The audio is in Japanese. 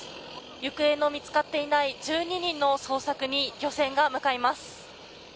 行方の見つかっていない１２人の捜索に漁船が向かいます。